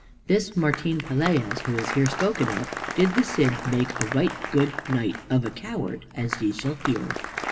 This Martin Pelaez who is here spoken of, did the Cid make a right good knight, of a coward, as ye shall hear.